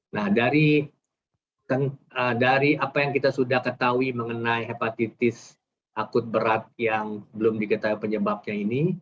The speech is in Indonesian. nah dari apa yang kita sudah ketahui mengenai hepatitis akut berat yang belum diketahui penyebabnya ini